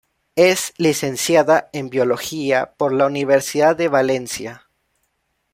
Es Licenciada en Biología por la Universidad de Valencia.